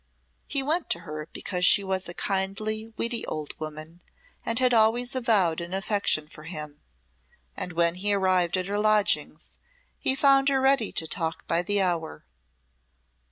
He went to her because she was a kindly, witty old woman, and had always avowed an affection for him, and when he arrived at her lodgings he found her ready to talk by the hour.